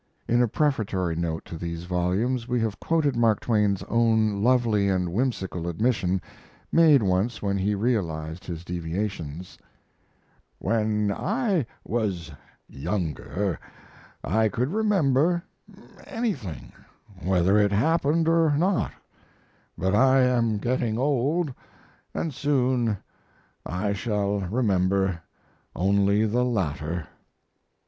In a prefatory note to these volumes we have quoted Mark Twain's own lovely and whimsical admission, made once when he realized his deviations: "When I was younger I could remember anything, whether it happened or not; but I am getting old, and soon I shall remember only the latter."